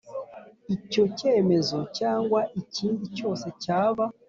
Icyo cyemezo cyangwa ikindi cyose cyaba